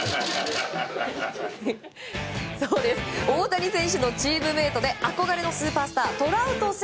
大谷選手のチームメートで憧れのスーパースタート